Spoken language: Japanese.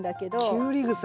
キュウリグサ？